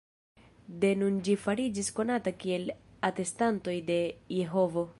De nun ĝi fariĝis konata kiel "Atestantoj de Jehovo".